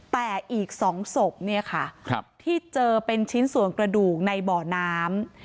แต่อีก๒ศพที่เจอเป็นชิ้นส่วนกระดูกในเบาน้ำ